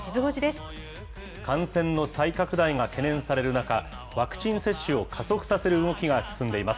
感染の再拡大が懸念される中、ワクチン接種を加速させる動きが進んでいます。